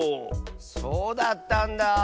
そうだったんだ。